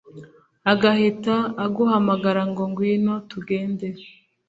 agahita aguhamagara ngo ngwino tugende